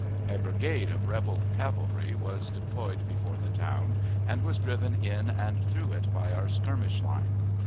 A brigade of rebel cavalry was deployed before the town, and was driven in and through it by our skirmish line.